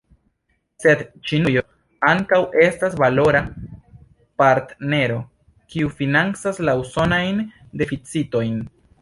Sed Ĉinujo ankaŭ estas valora partnero, kiu financas la usonajn deficitojn.